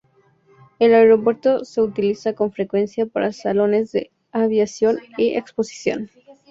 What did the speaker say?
El aeropuerto se utiliza con frecuencia para salones de aviación y exposiciones.